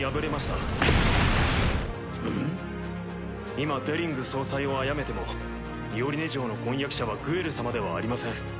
今デリング総裁を殺めてもミオリネ嬢の婚約者はグエル様ではありません。